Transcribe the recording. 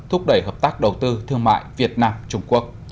thúc đẩy hợp tác đầu tư thương mại việt nam trung quốc